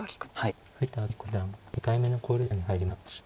清成九段６回目の考慮時間に入りました。